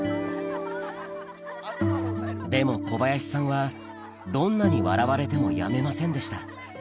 でも小林さんはどんなに笑われてもやめませんでした